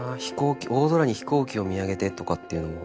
「大空に飛行機を見上げて」とかっていうのも。